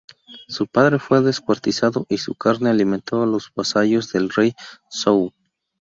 Su padre fue descuartizado y su carne alimentó a los vasallos del rey Zhou.